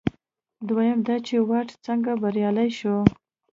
دویم دا چې واټ څنګه بریالی شو.